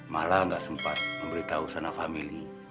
malah nggak sempat memberitahu sana family